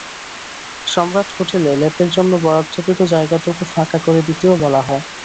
সম্রাট হোটেলে ল্যাপের জন্য বরাদ্দকৃত জায়গাটুকু ফাঁকা করে দিতেও বলা হয়।